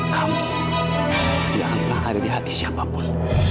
dan mungkin kamu gak akan pernah ada di hati siapapun